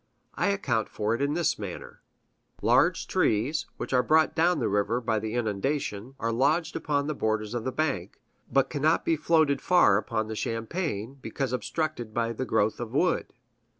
I account for it in this manner: Large trees, which are brought down the river by the inundations, are lodged upon the borders of the bank, but cannot be floated far upon the champaign, because obstructed by the growth of wood.